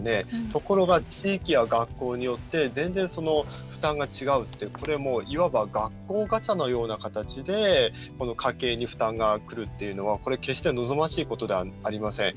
ところが、地域や学校によって全然、負担が違うってこれはもういわば学校ガチャのような形で家計に負担がくるっていうのは決して望ましいことではありません。